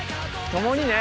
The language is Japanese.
「ともに」ね。